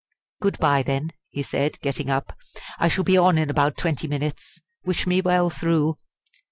"Good bye, then," he said, getting up. "I shall be on in about twenty minutes. Wish me well through!"